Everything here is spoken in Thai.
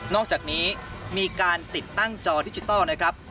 อกจากนี้มีการติดตั้งจอดิจิทัลนะครับ